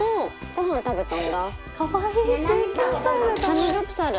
サムギョプサル。